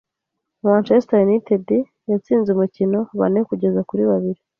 Manchester United yatsinze umukino, bane kugeza kuri babiri.